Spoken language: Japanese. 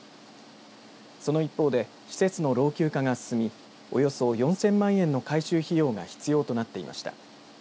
その一方で施設の老朽化が進みおよそ４０００万円の改修費用が必要となっていました。